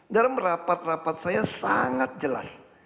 dalam rapat rapat saya sangat jelas